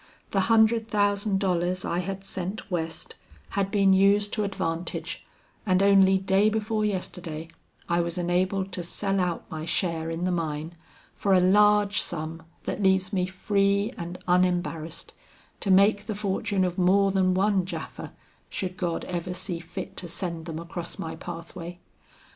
The hundred thousand dollars I had sent West, had been used to advantage, and only day before yesterday I was enabled to sell out my share in the mine, for a large sum that leaves me free and unembarrassed, to make the fortune of more than one Japha, should God ever see fit to send them across my pathway.